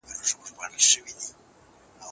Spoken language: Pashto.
د خدای ساتنه